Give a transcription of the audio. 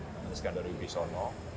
menjelaskan dari wisono